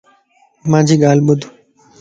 مانجي ڳالھ ٻُڌ